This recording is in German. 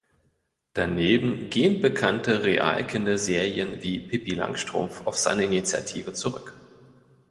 Daneben gehen bekannte Real-Kinderserien wie "Pippi Langstrumpf" auf seine Initiative zurück.